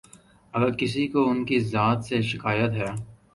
اگر کسی کو ان کی ذات سے شکایت ہے۔